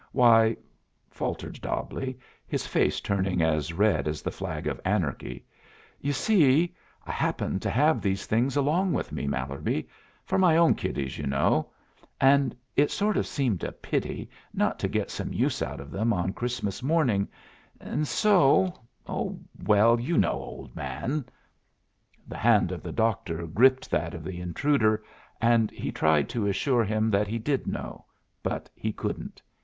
"Why," faltered Dobbleigh, his face turning as red as the flag of anarchy, "you see, I happened to have these things along with me, Mallerby for my own kiddies, you know and it sort of seemed a pity not to get some use out of them on Christmas morning, and so Oh, well, you know, old man." The hand of the doctor gripped that of the intruder, and he tried to assure him that he did know, but he couldn't.